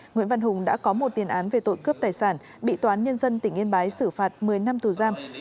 nguyễn văn hùng đã có một tiền án về tội cướp tài sản bị toán nhân dân tỉnh yên bái xử phạt một mươi năm tù giam